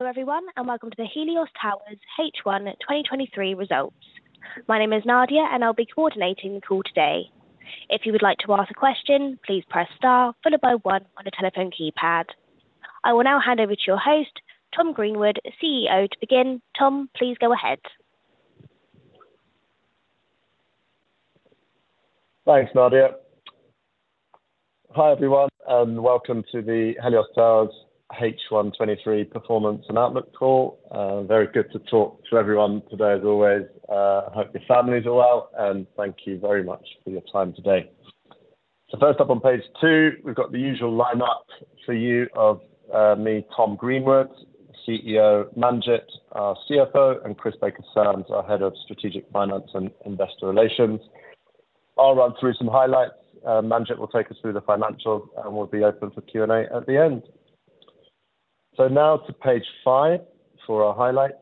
Everyone, welcome to the Helios Towers H1 2023 Results. My name is Nadia. I'll be coordinating the call today. If you would like to ask a question, please press star followed by one on the telephone keypad. I will now hand over to your host, Tom Greenwood, CEO, to begin. Tom, please go ahead. Thanks, Nadia. Hi, everyone, welcome to the Helios Towers H1 2023 Performance and Outlook Call. Very good to talk to everyone today as always. I hope your families are well, thank you very much for your time today. First up on page two, we've got the usual lineup for you of me, Tom Greenwood, CEO, Manjit, our CFO, and Chris Baker-Sands, our Head of Strategic Finance and Investor Relations. I'll run through some highlights, Manjit will take us through the financials, we'll be open for Q&A at the end. Now to page five for our highlights.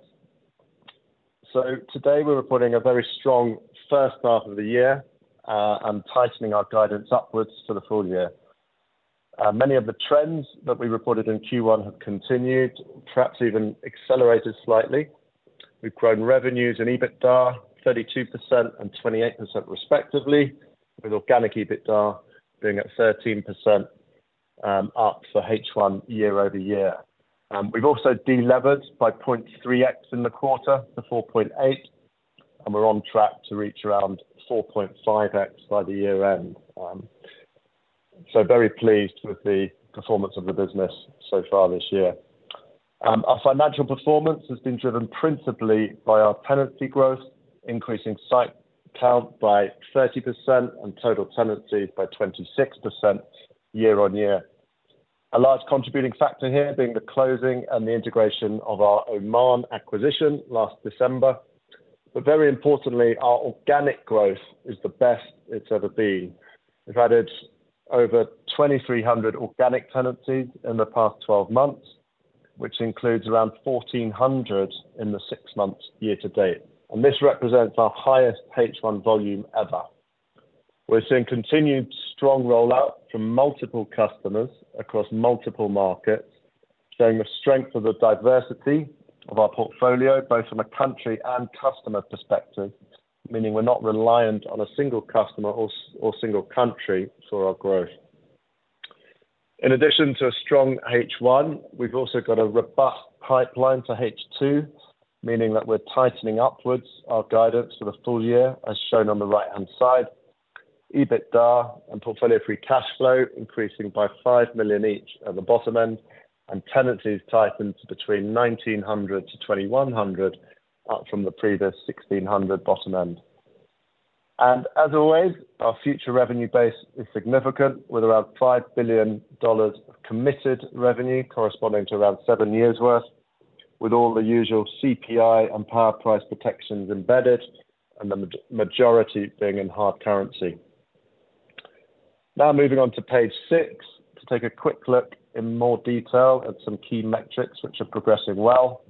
Today, we're reporting a very strong H1 of the year, tightening our guidance upwards for the full year. Many of the trends that we reported in Q1 have continued, perhaps even accelerated slightly. We've grown revenues and EBITDA, 32% and 28%, respectively, with organic EBITDA being at 13%, up for H1 year-over-year. We've also delevered by 0.3x in the quarter to 4.8, and we're on track to reach around 4.5x by the year end. Very pleased with the performance of the business so far this year. Our financial performance has been driven principally by our tenancy growth, increasing site count by 30% and total tenancies by 26% year-on-year. A large contributing factor here being the closing and the integration of our Oman acquisition last December, very importantly, our organic growth is the best it's ever been. We've added over 2,300 organic tenancies in the past 12 months, which includes around 1,400 in the six months year to date. This represents our highest H1 volume ever. We're seeing continued strong rollout from multiple customers across multiple markets, showing the strength of the diversity of our portfolio, both from a country and customer perspective, meaning we're not reliant on a single customer or single country for our growth. In addition to a strong H1, we've also got a robust pipeline for H2, meaning that we're tightening upwards our guidance for the full year, as shown on the right-hand side. EBITDA and portfolio free cash flow increasing by $5 million each at the bottom end, and tenancies tightened to between 1,900-2,100, up from the previous 1,600 bottom end. As always, our future revenue base is significant, with around $5 billion of committed revenue corresponding to around seven years' worth, with all the usual CPI and power price protections embedded, and the majority being in hard currency. Moving on to page six to take a quick look in more detail at some key metrics which are progressing well.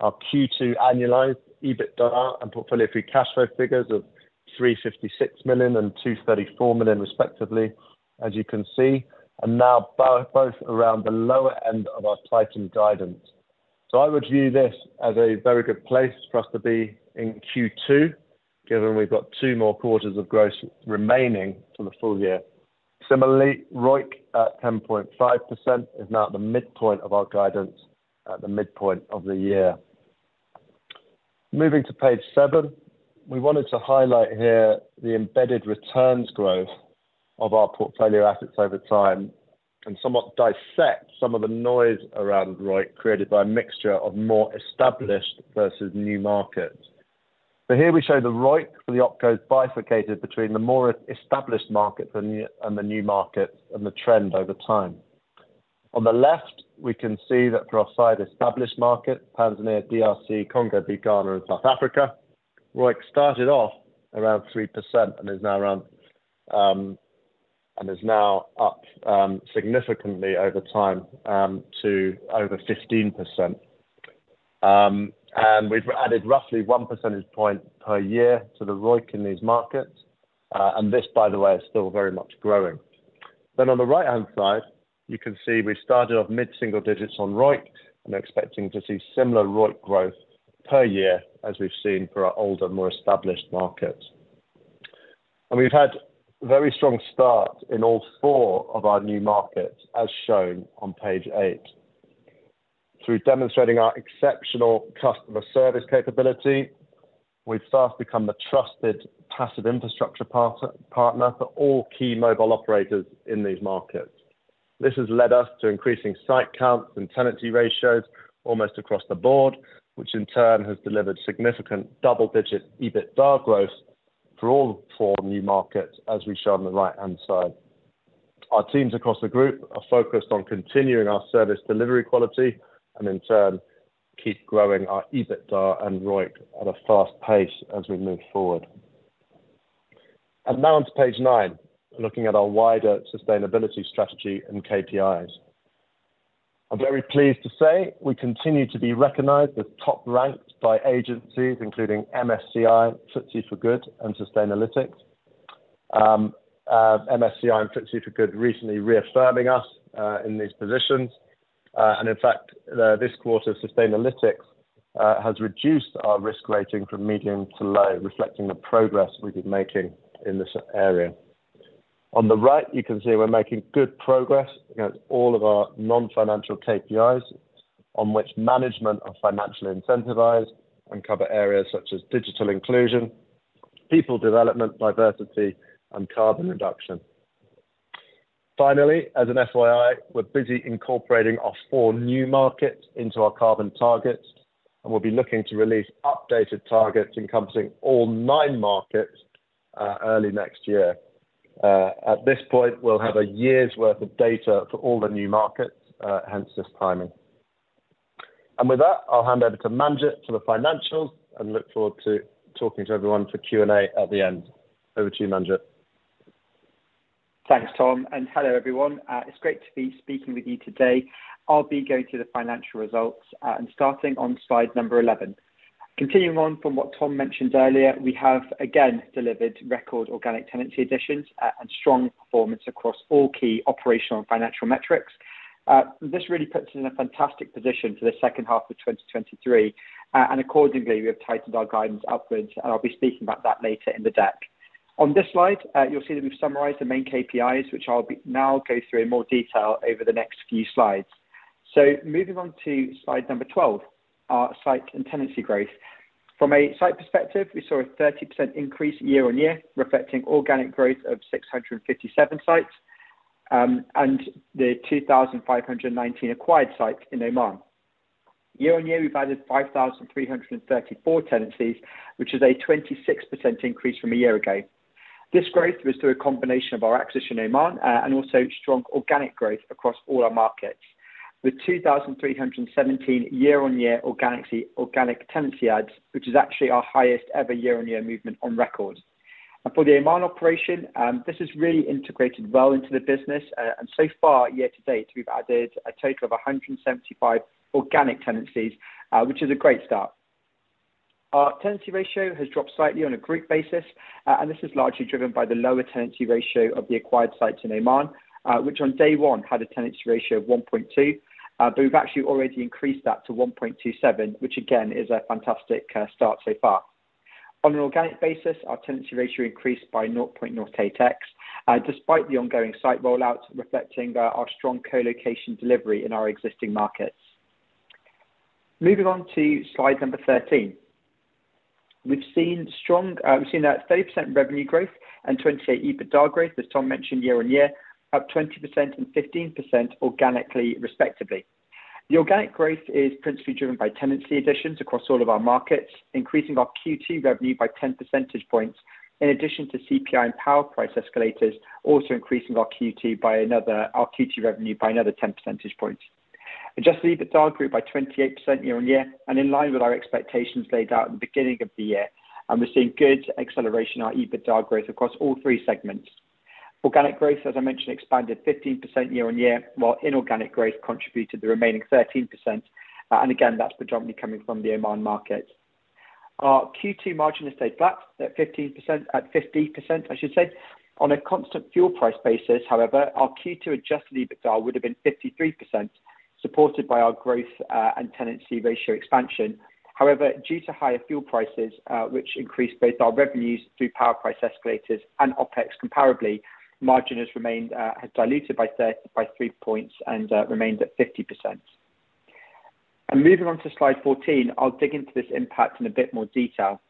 Our Q2 annualized EBITDA and portfolio free cash flow figures of $356 million and $234 million, respectively, as you can see, and now both around the lower end of our tightened guidance. I would view this as a very good place for us to be in Q2, given we've got two more quarters of growth remaining for the full year. Similarly, ROIC, at 10.5%, is now at the midpoint of our guidance at the midpoint of the year. Moving to page seven, we wanted to highlight here the embedded returns growth of our portfolio assets over time and somewhat dissect some of the noise around ROIC created by a mixture of more established versus new markets. Here we show the ROIC for the Opcos bifurcated between the more established markets and the new markets and the trend over time. On the left, we can see that for our side established market, Tanzania, DRC, Congo, Ghana, and South Africa, ROIC started off around 3% and is now up significantly over time to over 15%. And we've added roughly one percentage point per year to the ROIC in these markets, and this, by the way, is still very much growing. On the right-hand side, you can see we started off mid-single digits on ROIC and are expecting to see similar ROIC growth per year as we've seen for our older, more established markets. We've had a very strong start in all four of our new markets, as shown on page eight. Through demonstrating our exceptional customer service capability, we've fast become the trusted passive infrastructure partner for all key mobile operators in these markets. This has led us to increasing site counts and tenancy ratios almost across the board, which in turn has delivered significant double-digit EBITDA growth for all four new markets, as we show on the right-hand side. Our teams across the group are focused on continuing our service delivery quality and in turn, keep growing our EBITDA and ROIC at a fast pace as we move forward. Now on to page nine, looking at our wider sustainability strategy and KPIs. I'm very pleased to say we continue to be recognized as top-ranked by agencies, including MSCI, FTSE4Good, and Sustainalytics. MSCI and FTSE4Good recently reaffirming us in these positions. In fact, this quarter, Sustainalytics has reduced our risk rating from medium to low, reflecting the progress we've been making in this area. On the right, you can see we're making good progress against all of our non-financial KPIs, on which management are financially incentivized and cover areas such as digital inclusion, people development, diversity, and carbon reduction. Finally, as an FYI, we're busy incorporating our four new markets into our carbon targets, and we'll be looking to release updated targets encompassing all nine markets early next year. At this point, we'll have a year's worth of data for all the new markets, hence this timing. With that, I'll hand over to Manjit for the financials and look forward to talking to everyone for Q&A at the end. Over to you, Manjit. Thanks, Tom. Hello, everyone. It's great to be speaking with you today. I'll be going through the financial results, starting on slide number 11. Continuing on from what Tom mentioned earlier, we have again delivered record organic tenancy additions, and strong performance across all key operational and financial metrics. This really puts us in a fantastic position for the H2 of 2023, and accordingly, we have tightened our guidance upwards, and I'll be speaking about that later in the deck. On this slide, you'll see that we've summarized the main KPIs, which I'll now go through in more detail over the next few slides. Moving on to slide number 12, our site and tenancy growth. From a site perspective, we saw a 30% increase year on year, reflecting organic growth of 657 sites, and the 2,519 acquired sites in Oman. Year on year, we've added 5,334 tenancies, which is a 26% increase from a year ago. This growth was through a combination of our acquisition in Oman, and also strong organic growth across all our markets, with 2,317 year-on-year organic tenancy adds, which is actually our highest ever year-on-year movement on record. For the Oman operation, this has really integrated well into the business, and so far, year to date, we've added a total of 175 organic tenancies, which is a great start. Our tenancy ratio has dropped slightly on a group basis, and this is largely driven by the lower tenancy ratio of the acquired sites in Oman, which on day one had a tenancy ratio of 1.2. But we've actually already increased that to 1.27, which again, is a fantastic start so far. On an organic basis, our tenancy ratio increased by 0.08x, despite the ongoing site rollouts, reflecting our strong co-location delivery in our existing markets. Moving on to slide number 13. We've seen strong, we've seen a 30% revenue growth and 28% EBITDA growth, as Tom mentioned, year on year, up 20% and 15% organically, respectively. The organic growth is principally driven by tenancy additions across all of our markets, increasing our Q2 revenue by 10 percentage points, in addition to CPI and power price escalators, also increasing our Q2 revenue by another 10 percentage points. Adjusted EBITDA grew by 28% year on year and in line with our expectations laid out at the beginning of the year, and we're seeing good acceleration in our EBITDA growth across all three segments. Organic growth, as I mentioned, expanded 15% year on year, while inorganic growth contributed the remaining 13%, and again, that's predominantly coming from the Oman market. Our Q2 margin has stayed flat at 15%, at 50%, I should say. On a constant fuel price basis, however, our Q2 adjusted EBITDA would have been 53%, supported by our growth and tenancy ratio expansion. However, due to higher fuel prices, which increased both our revenues through power price escalators and OpEx comparably, margin has remained, has diluted by 3 points and remained at 50%. Moving on to slide 14, I'll dig into this impact in a bit more detail.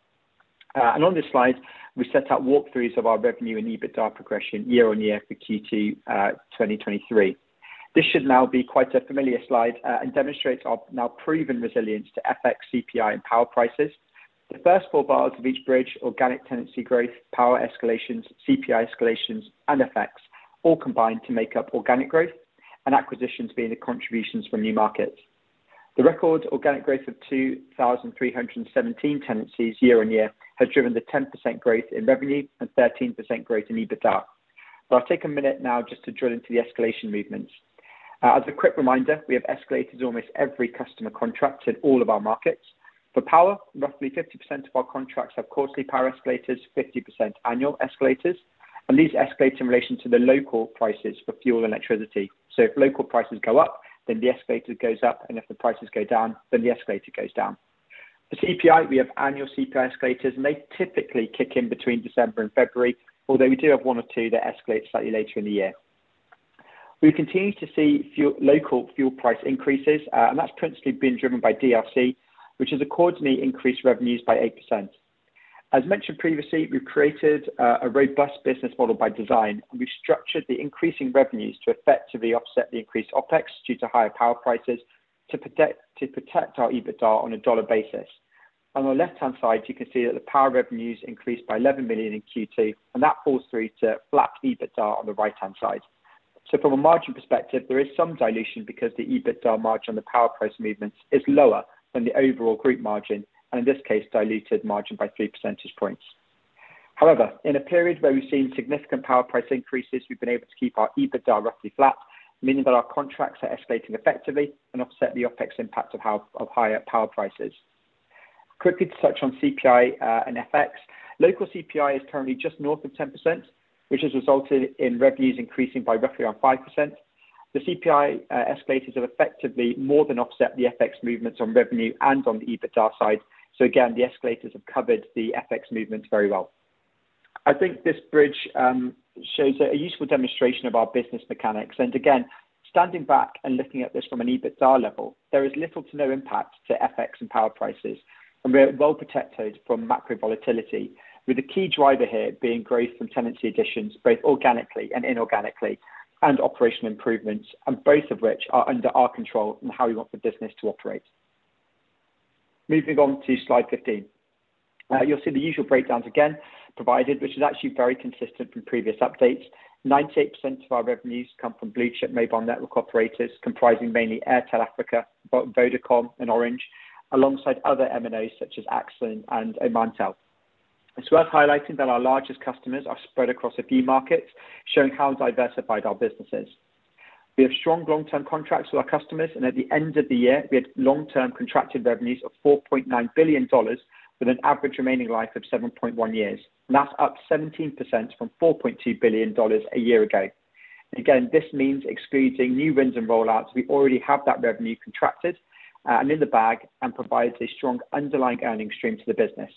On this slide, we set out walkthroughs of our revenue and EBITDA progression year-over-year for Q2 2023. This should now be quite a familiar slide, demonstrates our now proven resilience to FX, CPI, and power prices. The first four bars of each bridge, organic tenancy growth, power escalations, CPI escalations, and FX, all combined to make up organic growth and acquisitions being the contributions from new markets. The record organic growth of 2,317 tenancies year-on-year, has driven the 10% growth in revenue and 13% growth in EBITDA. I'll take a minute now just to drill into the escalation movements. As a quick reminder, we have escalated almost every customer contract in all of our markets. For power, roughly 50% of our contracts have quarterly power escalators, 50% annual escalators, and these escalate in relation to the local prices for fuel and electricity. If local prices go up, then the escalator goes up, and if the prices go down, then the escalator goes down. For CPI, we have annual CPI escalators, and they typically kick in between December and February, although we do have one or two that escalate slightly later in the year. We continue to see fuel-- local fuel price increases, that's principally been driven by DRC, which has accordingly increased revenues by 8%. As mentioned previously, we've created a robust business model by design, we've structured the increasing revenues to effectively offset the increased OpEx due to higher power prices to protect, to protect our EBITDA on a dollar basis. On the left-hand side, you can see that the power revenues increased by $11 million in Q2, that falls through to flat EBITDA on the right-hand side. From a margin perspective, there is some dilution because the EBITDA margin on the power price movements is lower than the overall group margin, and in this case, diluted margin by three percentage points. However, in a period where we've seen significant power price increases, we've been able to keep our EBITDA roughly flat, meaning that our contracts are escalating effectively and offset the OpEx impact of higher power prices. Quickly to touch on CPI and FX. Local CPI is currently just north of 10%, which has resulted in revenues increasing by roughly around 5%. The CPI escalators have effectively more than offset the FX movements on revenue and on the EBITDA side. Again, the escalators have covered the FX movements very well. I think this bridge shows a useful demonstration of our business mechanics. Again, standing back and looking at this from an EBITDA level, there is little to no impact to FX and power prices. We are well protected from macro volatility, with the key driver here being growth from tenancy additions, both organically and inorganically, operational improvements, both of which are under our control and how we want the business to operate. Moving on to slide 15. You'll see the usual breakdowns again provided, which is actually very consistent from previous updates. 98% of our revenues come from blue-chip mobile network operators, comprising mainly Airtel Africa, Vodacom, and Orange, alongside other MNOs such as Axian and Omantel. It's worth highlighting that our largest customers are spread across a few markets, showing how diversified our business is. We have strong long-term contracts with our customers. At the end of the year, we had long-term contracted revenues of $4.9 billion, with an average remaining life of 7.1 years, and that's up 17% from $4.2 billion a year ago. Again, this means excluding new wins and rollouts, we already have that revenue contracted, and in the bag and provides a strong underlying earning stream to the business.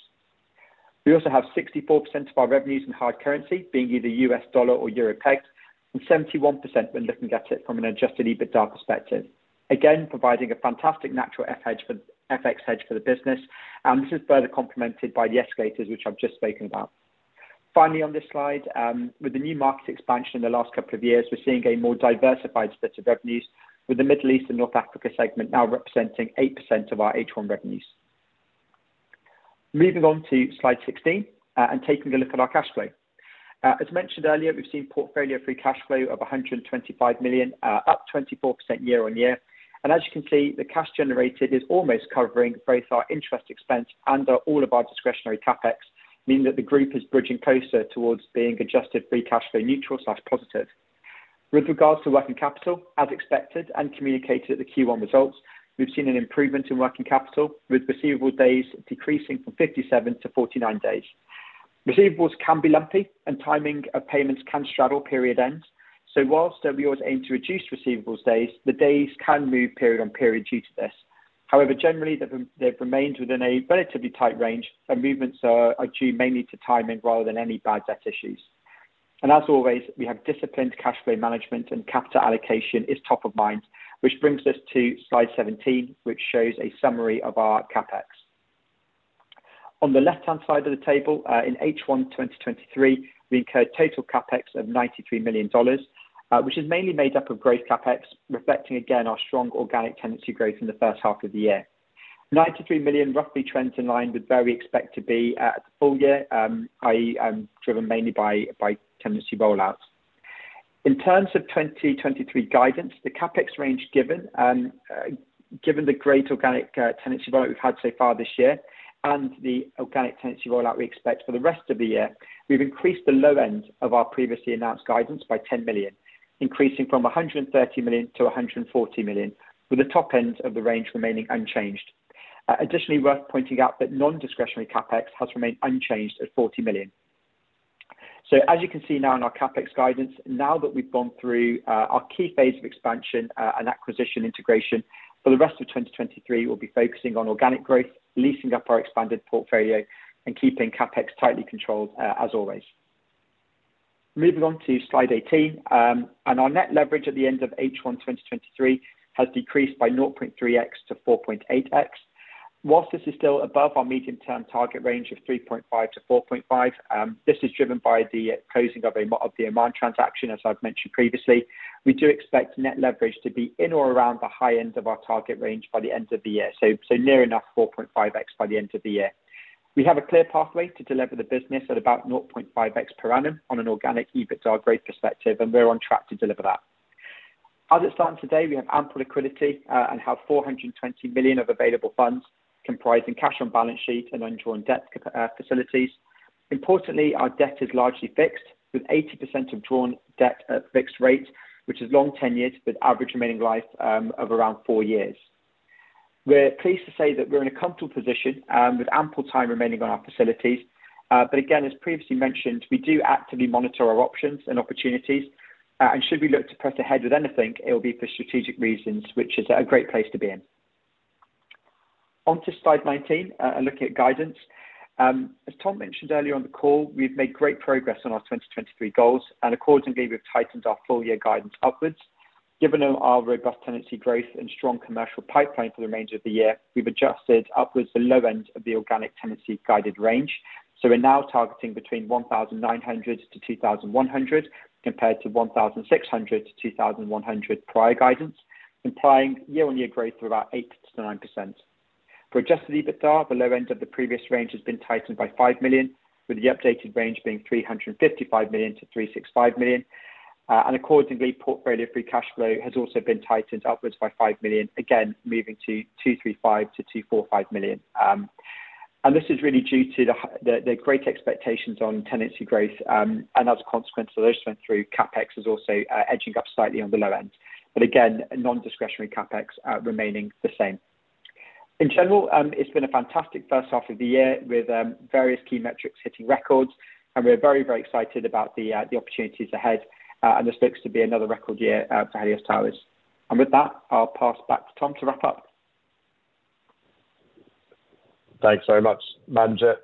We also have 64% of our revenues in hard currency, being either US dollar or euro-pegged, and 71% when looking at it from an adjusted EBITDA perspective. Again, providing a fantastic natural FX hedge for the business, and this is further complemented by the escalators, which I've just spoken about. Finally, on this slide, with the new market expansion in the last couple of years, we're seeing a more diversified split of revenues, with the Middle East and North Africa segment now representing 8% of our H1 revenues. Moving on to slide 16, and taking a look at our cash flow. As mentioned earlier, we've seen portfolio free cash flow of $125 million, up 24% year on year. As you can see, the cash generated is almost covering both our interest expense and all of our discretionary CapEx, meaning that the group is bridging closer towards being adjusted free cash flow neutral/positive. With regards to working capital, as expected and communicated at the Q1 results, we've seen an improvement in working capital, with receivable days decreasing from 57 days-49 days. Receivables can be lumpy, and timing of payments can straddle period end. Whilst we always aim to reduce receivables days, the days can move period on period due to this. However, generally, they've remained within a relatively tight range, and movements are due mainly to timing rather than any bad debt issues. As always, we have disciplined cash flow management and capital allocation is top of mind, which brings us to slide 17, which shows a summary of our CapEx. On the left-hand side of the table, in H1 2023, we incurred total CapEx of $93 million, which is mainly made up of growth CapEx, reflecting again our strong organic tenancy growth in the H1 of the year. $93 million, roughly trends in line with where we expect to be at, at the full year, i.e., driven mainly by tenancy rollouts. In terms of 2023 guidance, the CapEx range given, given the great organic tenancy rollout we've had so far this year and the organic tenancy rollout we expect for the rest of the year, we've increased the low end of our previously announced guidance by $10 million, increasing from $130 million-$140 million, with the top end of the range remaining unchanged. Additionally, worth pointing out that non-discretionary CapEx has remained unchanged at $40 million. As you can see now in our CapEx guidance, now that we've gone through our key phase of expansion and acquisition integration, for the rest of 2023, we'll be focusing on organic growth, leasing up our expanded portfolio and keeping CapEx tightly controlled, as always. Moving on to slide 18, our net leverage at the end of H1 2023 has decreased by 0.3x-4.8x. Whilst this is still above our medium-term target range of 3.5x-4.5x, this is driven by the closing of the Oman transaction, as I've mentioned previously. We do expect net leverage to be in or around the high end of our target range by the end of the year, so, so near enough 4.5x by the end of the year. We have a clear pathway to deliver the business at about 0.5x per annum on an organic EBITDA growth perspective. We're on track to deliver that. As at today, we have ample liquidity, and have $420 million of available funds, comprising cash on balance sheet and undrawn debt cap facilities. Importantly, our debt is largely fixed, with 80% of drawn debt at fixed rate, which is long tenured, with average remaining life of around four years. We're pleased to say that we're in a comfortable position with ample time remaining on our facilities. Again, as previously mentioned, we do actively monitor our options and opportunities, and should we look to press ahead with anything, it will be for strategic reasons, which is a great place to be in. On to slide 19, looking at guidance. As Tom mentioned earlier on the call, we've made great progress on our 2023 goals, accordingly, we've tightened our full-year guidance upwards. Given our robust tenancy growth and strong commercial pipeline for the remainder of the year, we've adjusted upwards the low end of the organic tenancy guided range. We're now targeting between 1,900-2,100, compared to 1,600-2,100 prior guidance, implying year-on-year growth of about 8%-9%. For adjusted EBITDA, the low end of the previous range has been tightened by $5 million, with the updated range being $355 million-$365 million. Accordingly, portfolio free cash flow has also been tightened upwards by $5 million, again, moving to $235 million-$245 million. This is really due to the, the great expectations on tenancy growth, as a consequence of those went through, CapEx is also edging up slightly on the low end, but again, non-discretionary CapEx remaining the same. In general, it's been a fantastic H1 of the year with various key metrics hitting records, we're very, very excited about the, the opportunities ahead, and this looks to be another record year for Helios Towers. With that, I'll pass back to Tom to wrap up. Thanks very much, Manjit.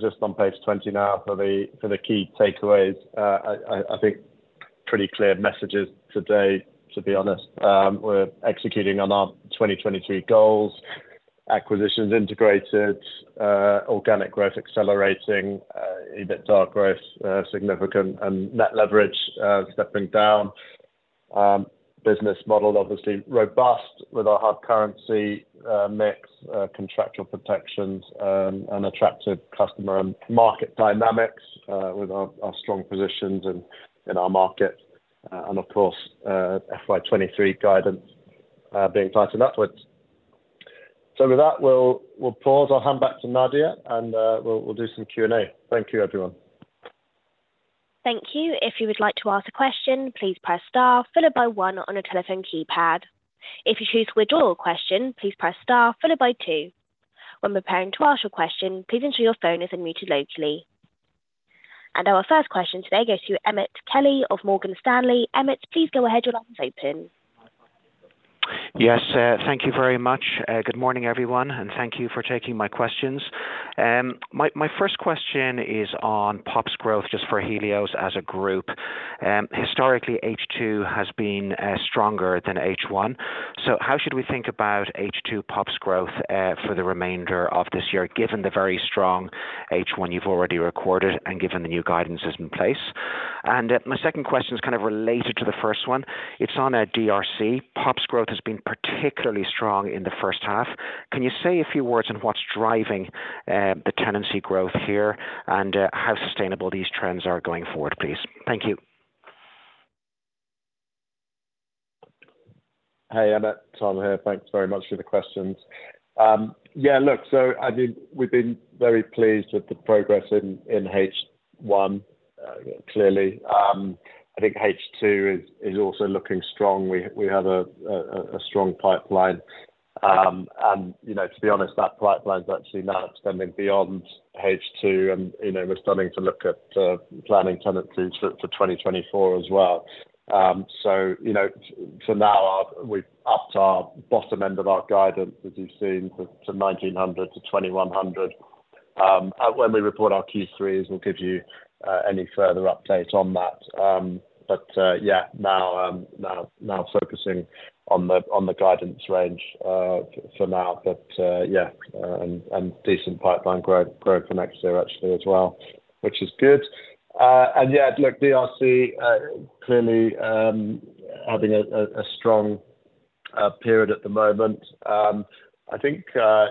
Just on page 20 now for the key takeaways, I think pretty clear messages today, to be honest. We're executing on our 2022 goals, acquisitions integrated, organic growth accelerating, EBITDA growth significant, and net leverage stepping down. Business model obviously robust with our hard currency mix, contractual protections, and attractive customer and market dynamics, with our strong positions in our market. Of course, FY 2023 guidance being tightened upwards. With that, we'll pause. I'll hand back to Nadia, and we'll do some Q&A. Thank you, everyone. Thank you. If you would like to ask a question, please press star, followed by one on a telephone keypad. If you choose to withdraw a question, please press star, followed by two. When preparing to ask your question, please ensure your phone is unmuted locally. Our first question today goes to Emmet Kelly of Morgan Stanley. Emmet, please go ahead, your line is open. Yes, thank you very much. Good morning, everyone, and thank you for taking my questions. My, my first question is on PoPs growth, just for Helios as a group. Historically, H2 has been stronger than H1. How should we think about H2 PoPs growth for the remainder of this year, given the very strong H1 you've already recorded and given the new guidance is in place? My second question is kind of related to the first one. It's on DRC. PoPs growth has been particularly strong in the H1. Can you say a few words on what's driving the tenancy growth here, and how sustainable these trends are going forward, please? Thank you. Hey, Emmet. Tom here. Thanks very much for the questions. Yeah, look, I mean, we've been very pleased with the progress in H1, clearly. I think H2 is also looking strong. We have a strong pipeline. You know, to be honest, that pipeline is actually now extending beyond H2, and, you know, we're starting to look at planning tenancies for 2024 as well. You know, now we've upped our bottom end of our guidance, as you've seen, to 1,900-2,100. When we report our Q3s, we'll give you any further update on that. Yeah, now, now focusing on the guidance range for now. Yeah, decent pipeline growth, growth for next year, actually, as well, which is good. Yeah, look, DRC, clearly, having a strong period at the moment. I think,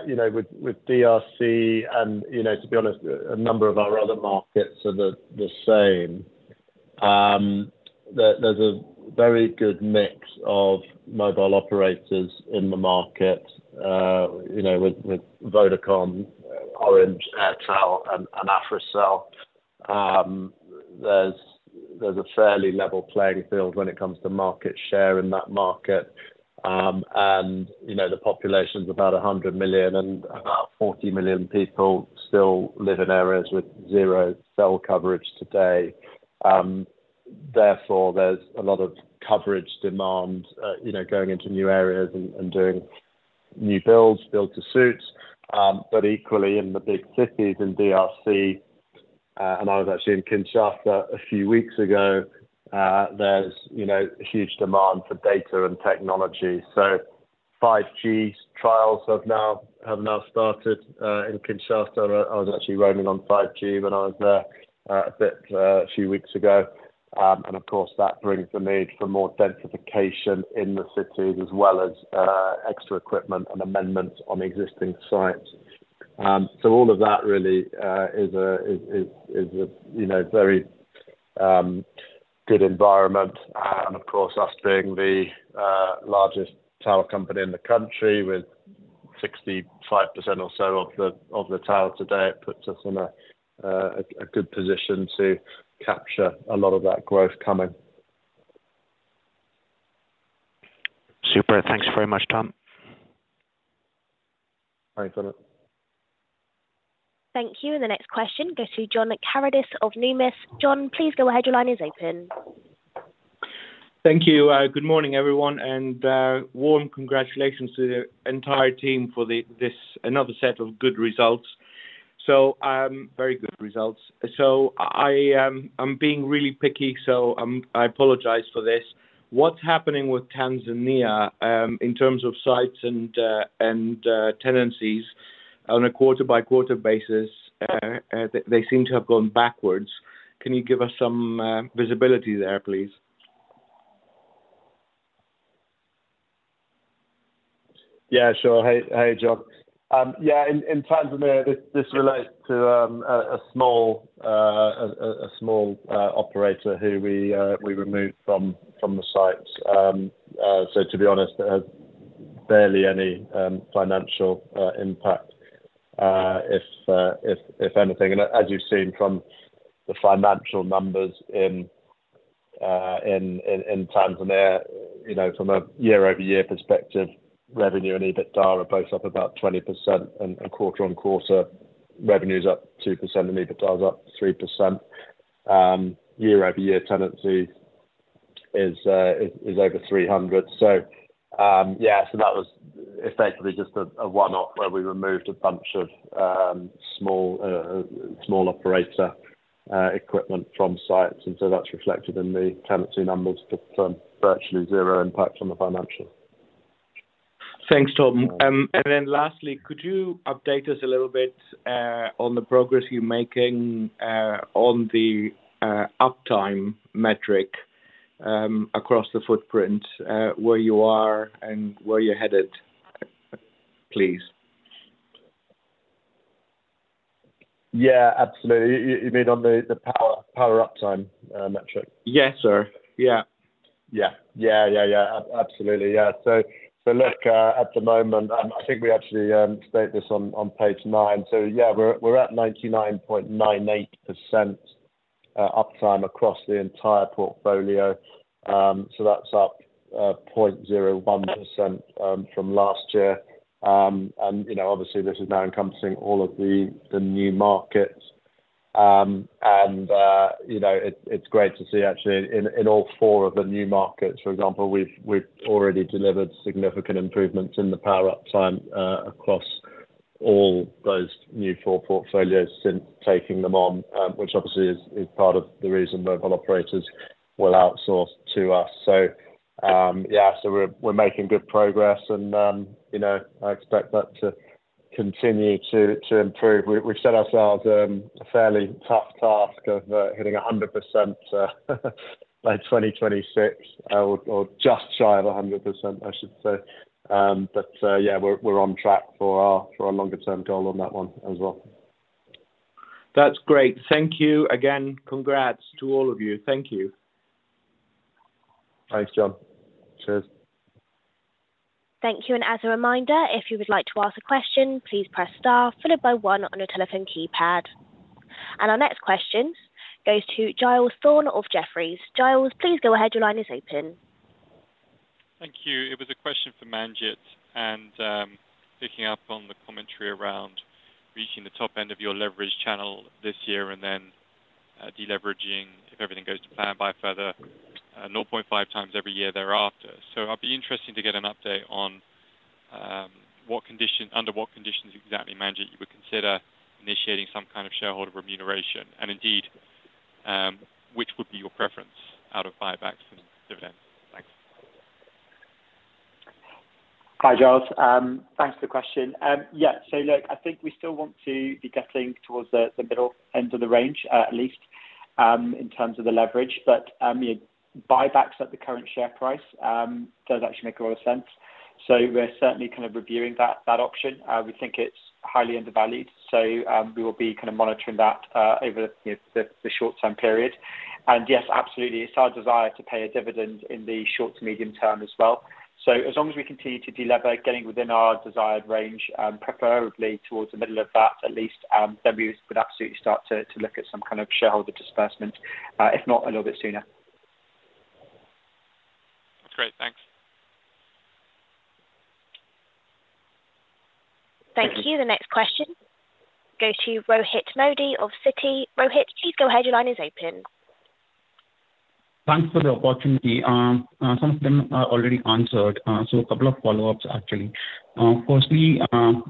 you know, with DRC and, you know, to be honest, a number of our other markets are the same. There's a very good mix of mobile operators in the market, you know, with Vodacom, Orange, Airtel, and Africell. There's a fairly level playing field when it comes to market share in that market. You know, the population is about 100 million, and about 40 million people still live in areas with zero cell coverage today. Therefore, there's a lot of coverage demand, you know, going into new areas and, and doing new builds, build to suits. Equally in the big cities in DRC, and I was actually in Kinshasa a few weeks ago, there's, you know, huge demand for data and technology. 5G trials have now, have now started in Kinshasa. I was actually roaming on 5G when I was there a few weeks ago. Of course, that brings the need for more densification in the cities, as well as extra equipment and amendments on existing sites. All of that really is a, you know, very good environment. Of course, us being the largest tower company in the country, with 65% or so of the, of the towers today, it puts us in a good position to capture a lot of that growth coming. Super. Thanks very much, Tom. Thanks, Emmet. Thank you. The next question goes to John Karidis of Numis. John, please go ahead. Your line is open. Thank you. Good morning, everyone, and warm congratulations to the entire team for the, this, another set of good results. Very good results. I, I'm being really picky, so I apologize for this. What's happening with Tanzania, in terms of sites and and tenancies on a quarter by quarter basis? They seem to have gone backwards. Can you give us some visibility there, please? Yeah, sure. Hey, John. Yeah, in Tanzania, this relates to a small operator who we removed from the sites. To be honest, there's barely any financial impact, if anything, and as you've seen from the financial numbers in Tanzania, you know, from a year-over-year perspective, revenue and EBITDA are both up about 20%. Quarter-on-quarter, revenue is up 2% and EBITDA is up 3%. Year-over-year tenancy is over 300. Yeah, so that was effectively just a one-off where we removed a bunch of small operator equipment from sites, and so that's reflected in the tenancy numbers, but virtually zero impact on the financial. Thanks, Tom. Lastly, could you update us a little bit on the progress you're making on the uptime metric across the footprint, where you are and where you're headed, please? Yeah, absolutely. You, you mean on the, the power, power uptime, metric? Yes, sir. Yeah. Yeah. Yeah, yeah, yeah. Absolutely, yeah. So look, at the moment, I think we actually state this on page nine. Yeah, we're at 99.98% uptime across the entire portfolio. So that's up 0.01% from last year. And, you know, obviously, this is now encompassing all of the new markets. And, you know, it's great to see actually in all four of the new markets, for example, we've already delivered significant improvements in the power uptime across all those new four portfolios since taking them on, which obviously is part of the reason mobile operators will outsource to us. Yeah, so we're making good progress, and, you know, I expect that to continue to improve. We've set ourselves a fairly tough task of hitting 100% by 2026, or just shy of 100%, I should say. Yeah, we're on track for our longer-term goal on that one as well. That's great. Thank you again. Congrats to all of you. Thank you. Thanks, John. Cheers. Thank you. As a reminder, if you would like to ask a question, please press star followed by 1 on your telephone keypad. Our next question goes to Giles Thorne of Jefferies. Giles, please go ahead. Your line is open. Thank you. It was a question for Manjit. Picking up on the commentary around reaching the top end of your leverage channel this year and then deleveraging, if everything goes to plan, by a further 0.5 times every year thereafter. I'll be interested to get an update on what condition-- under what conditions exactly, Manjit, you would consider initiating some kind of shareholder remuneration, and indeed, which would be your preference out of buybacks and dividends? Thanks. Hi, Giles. Thanks for the question. Yeah, look, I think we still want to be getting towards the, the middle end of the range, at least, in terms of the leverage, but buybacks at the current share price does actually make a lot of sense. We're certainly kind of reviewing that, that option. We think it's highly undervalued, so we will be kinda monitoring that, over the, you know, the, the short-term period. Yes, absolutely, it's our desire to pay a dividend in the short to medium term as well. As long as we continue to delever, getting within our desired range, preferably towards the middle of that, at least, then we would absolutely start to, to look at some kind of shareholder disbursement, if not a little bit sooner. Great. Thanks. Thank you. The next question go to Rohit Modi of Citi. Rohit, please go ahead. Your line is open. Thanks for the opportunity. Some of them are already answered, a couple of follow-ups, actually. Firstly,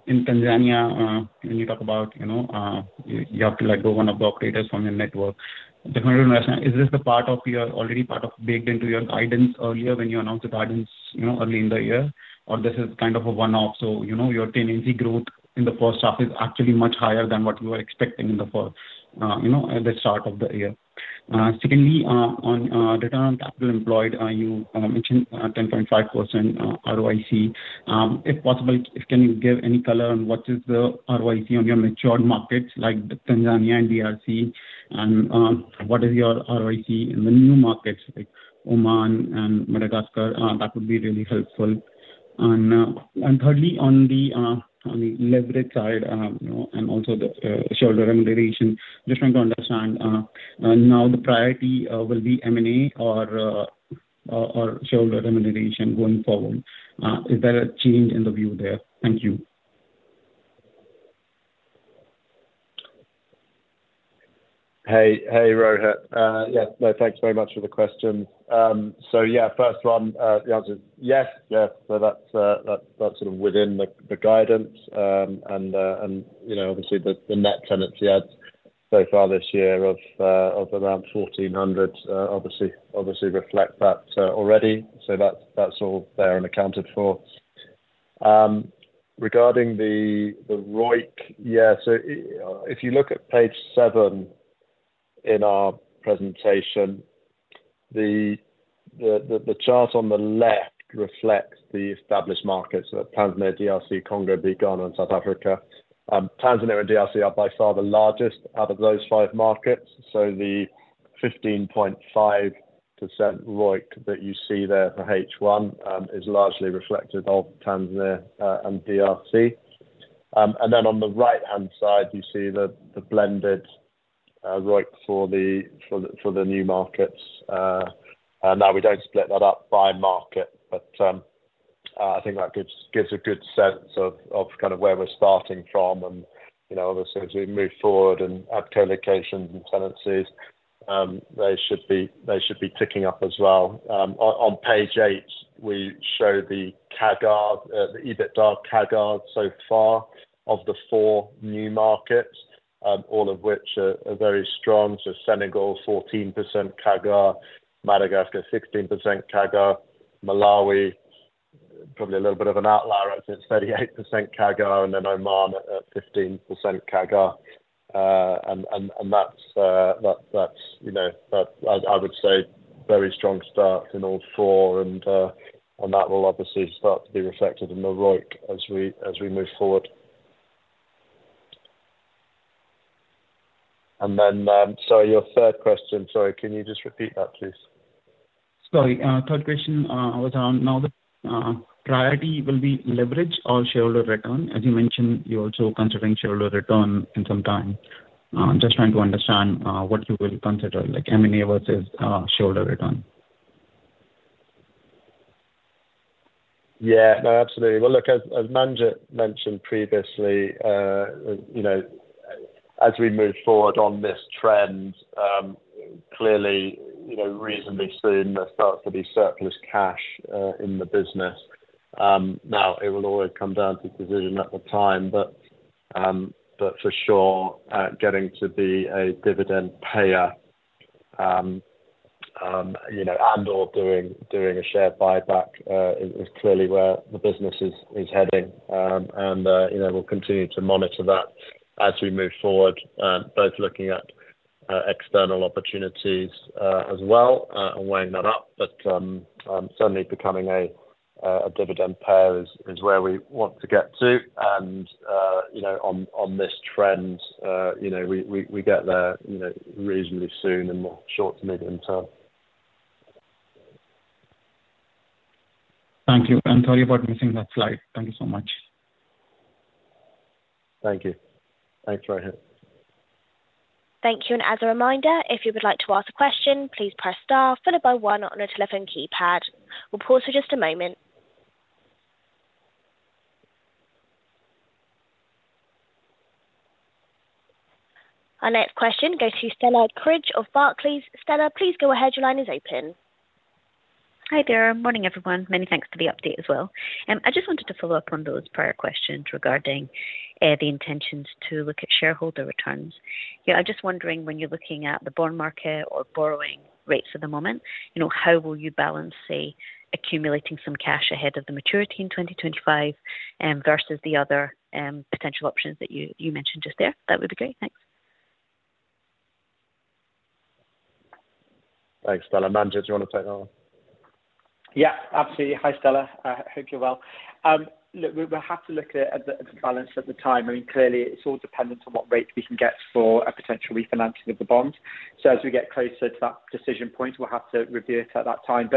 in Tanzania, when you talk about, you know, you have to let go one of the operators from your network. Definitely, is this the part of your already part of baked into your guidance earlier when you announced the guidance, you know, early in the year, or this is kind of a one-off, so, you know, your tenancy growth in the H1 is actually much higher than what you were expecting in the first, you know, at the start of the year? Secondly, on return on capital employed, you mentioned 10.5% ROIC. If possible, can you give any color on what is the ROIC on your mature markets like Tanzania and DRC, what is your ROIC in the new markets like Oman and Madagascar? That would be really helpful. Thirdly, on the leverage side, you know, and also the shareholder remuneration, just trying to understand now the priority will be M&A or shareholder remuneration going forward. Is there a change in the view there? Thank you. Hey, hey, Rohit. Thanks very much for the question. First one, the answer is yes. Yes, so that's, that's, that's sort of within the guidance, and, you know, obviously, the net tenancy adds so far this year of around 1,400, obviously, obviously reflect that already. So that's, that's all there and accounted for. Regarding the ROIC, yeah, so if you look at page seven in our presentation, the chart on the left reflects the established markets of Tanzania, DRC, Congo, Ghana, and South Africa. Tanzania and DRC are by far the largest out of those five markets, so the 15.5% ROIC that you see there for H1, is largely reflected of Tanzania and DRC. Then on the right-hand side, you see the blended ROIC for the new markets. Now we don't split that up by market, but, I think that gives, gives a good sense of, of kind of where we're starting from. you know, obviously, as we move forward and add co-locations and tenancies, they should be, they should be ticking up as well. On page eight, we show the CAGR, the EBITDA CAGR so far of the four new markets, all of which are, are very strong. Senegal, 14% CAGR, Madagascar, 16% CAGR, Malawi, probably a little bit of an outlier at 38% CAGR, and then Oman at 15% CAGR. That's, that's, you know, that I, I would say, very strong start in all four, and that will obviously start to be reflected in the ROIC as we, as we move forward. Sorry, your third question. Sorry, can you just repeat that, please? Sorry, third question, was on now the priority will be leverage or shareholder return. As you mentioned, you're also considering shareholder return in some time. Just trying to understand what you will consider, like, how many years is shareholder return? Yeah, no, absolutely. Well, look, as, as Manjit mentioned previously, you know, as we move forward on this trend, clearly, you know, reasonably soon, there starts to be surplus cash in the business. Now, it will always come down to decision at the time, but for sure, getting to be a dividend payer, you know, and or doing, doing a share buyback, is clearly where the business is heading. You know, we'll continue to monitor that as we move forward, both looking at external opportunities as well, and weighing that up. Certainly becoming a dividend payer is, is where we want to get to, and you know, on, on this trend, you know, we, we, we get there, you know, reasonably soon in the short to medium term. Thank you, sorry about missing that slide. Thank you so much. Thank you. Thanks, Rohit. Thank you. As a reminder, if you would like to ask a question, please press star followed by one on your telephone keypad. We'll pause for just a moment. Our next question goes to Stella Cridge of Barclays. Stella, please go ahead. Your line is open. Hi there. Morning, everyone. Many thanks for the update as well. I just wanted to follow up on those prior questions regarding the intentions to look at shareholder returns. Yeah, I'm just wondering, when you're looking at the bond market or borrowing rates at the moment, you know, how will you balance, say, accumulating some cash ahead of the maturity in 2025, versus the other potential options that you, you mentioned just there? That would be great. Thanks. Thanks, Stella. Manjit, do you want to take that one? Yeah, absolutely. Hi, Stella. I hope you're well. Look, we will have to look at the, at the balance at the time. I mean, clearly, it's all dependent on what rate we can get for a potential refinancing of the bond. As we get closer to that decision point, we'll have to review it at that time.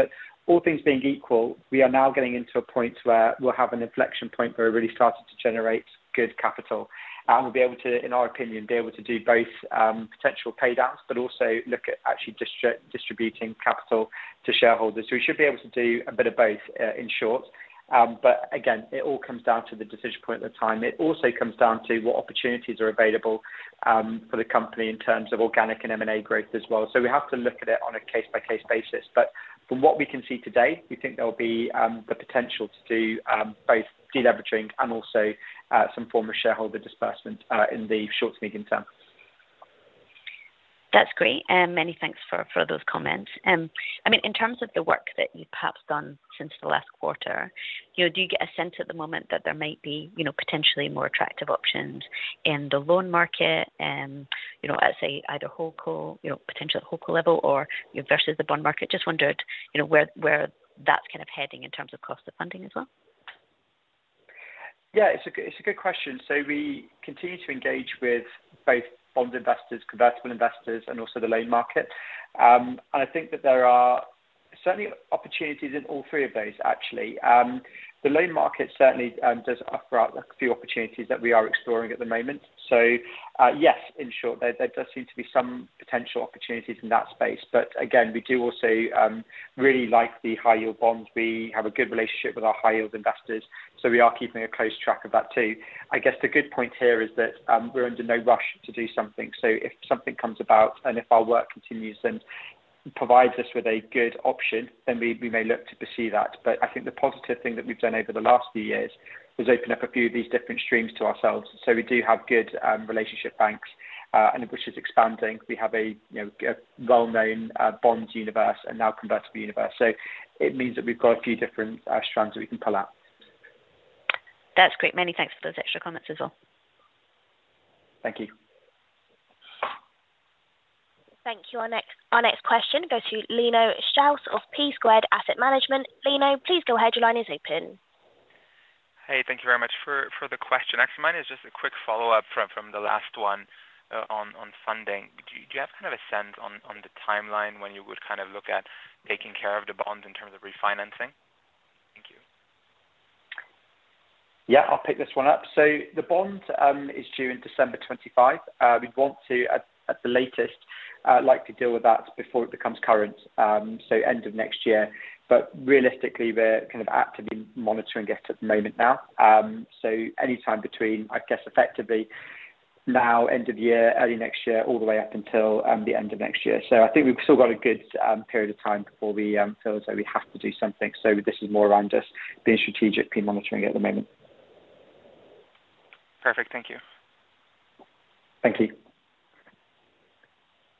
All things being equal, we are now getting into a point where we'll have an inflection point where we're really starting to generate good capital, and we'll be able to, in our opinion, be able to do both, potential paydowns, but also look at actually distributing capital to shareholders. We should be able to do a bit of both, in short. Again, it all comes down to the decision point at the time. It also comes down to what opportunities are available, for the company in terms of organic and M&A growth as well. We have to look at it on a case-by-case basis. From what we can see today, we think there will be, the potential to do, both deleveraging and also, some form of shareholder disbursement, in the short to medium term. That's great, and many thanks for, for those comments. I mean, in terms of the work that you've perhaps done since the last quarter, you know, do you get a sense at the moment that there might be, you know, potentially more attractive options in the loan market, you know, at, say, either wholeco, you know, potential wholeco level or versus the bond market? Just wondered, you know, where, where that's kind of heading in terms of cost of funding as well? Yeah, it's a good, it's a good question. We continue to engage with both bond investors, convertible investors, and also the loan market. I think that there are certainly opportunities in all three of those, actually. The loan market certainly does offer up a few opportunities that we are exploring at the moment. Yes, in short, there, there does seem to be some potential opportunities in that space. Again, we do also really like the high-yield bonds. We have a good relationship with our high-yield investors, we are keeping a close track of that, too. I guess the good point here is that we're under no rush to do something. If something comes about, and if our work continues and provides us with a good option, then we, we may look to pursue that. I think the positive thing that we've done over the last few years is open up a few of these different streams to ourselves. We do have good relationship banks, and which is expanding. We have a, you know, a well-known bonds universe and now convertible universe. It means that we've got a few different strands that we can pull out. That's great. Many thanks for those extra comments as well. Thank you. Thank you. Our next question goes to Lino Schutz of P Squared Asset Management. Lino, please go ahead. Your line is open. Hey, thank you very much for, for the question. Actually, mine is just a quick follow-up from, from the last one, on, on funding. Do you, do you have kind of a sense on, on the timeline when you would kind of look at taking care of the bond in terms of refinancing? Thank you. Yeah, I'll pick this one up. The bond is due in December 2025. We'd want to, at, at the latest, like to deal with that before it becomes current, so end of next year. Realistically, we're kind of actively monitoring it at the moment now. Any time between, I guess, effectively now, end of year, early next year, all the way up until the end of next year. I think we've still got a good period of time before we feel as though we have to do something. This is more around just being strategic, pre-monitoring at the moment. Perfect. Thank you. Thank you.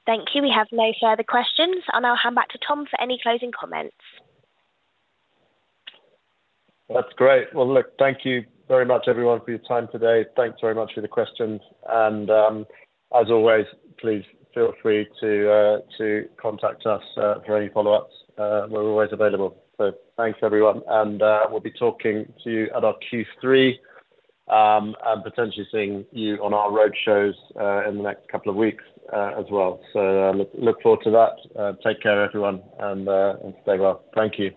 Thank you. We have no further questions, and I'll hand back to Tom for any closing comments. That's great. Well, look, thank you very much, everyone, for your time today. Thanks very much for the questions. As always, please feel free to contact us for any follow-ups. We're always available. Thanks, everyone. We'll be talking to you at our Q3 and potentially seeing you on our roadshows in the next couple of weeks as well. Look, look forward to that. Take care, everyone, and stay well. Thank you.